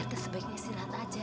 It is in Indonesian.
iya itu sebaiknya si rat aja